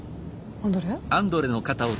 アンドレ。